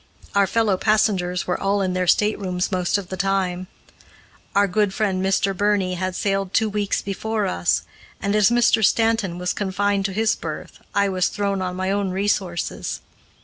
Our fellow passengers were all in their staterooms most of the time. Our good friend Mr. Birney had sailed two weeks before us, and as Mr. Stanton was confined to his berth, I was thrown on my own resources.